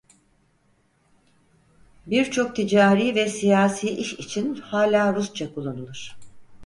Birçok ticari ve siyasi iş için hala Rusça kullanılır.